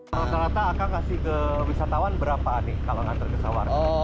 rata rata aka kasih ke wisatawan berapa nih kalau ngantar ke sawar